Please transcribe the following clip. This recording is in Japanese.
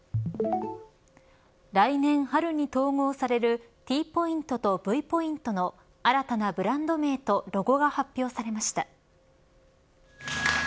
来年春に統合されるＴポイントとＶポイントの新たなブランド名とロゴが発表されました。